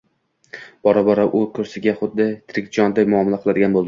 Bora-bora u kursiga xuddi tirik jonday muomala qiladigan bo`ldi